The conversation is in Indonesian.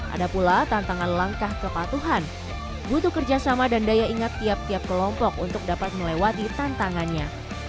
ada pula tantangan langkah kepatuhan butuh kerjasama dan daya ingat tiap tiap kelompok untuk dapat melewati tantangannya